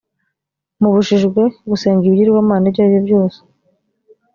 mububjijwe gusenga ibigirwamana ibyo ari byose.